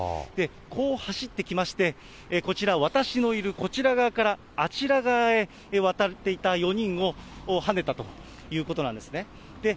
こう走ってきまして、こちら、私のいるこちら側からあちら側へ渡っていた４人をはねたということなんですね。